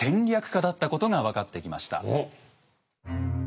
家だったことが分かってきました。